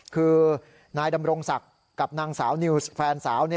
คือนายดำรงศักดิ์กับนางสาวนิวส์แฟนสาว